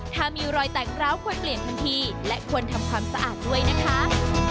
ถ้ามีรอยแตกร้าวควรเปลี่ยนทันทีและควรทำความสะอาดด้วยนะคะ